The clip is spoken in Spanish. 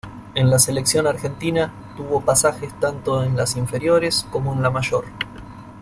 En la selección argentina, tuvo pasajes tanto en las inferiores como en la mayor.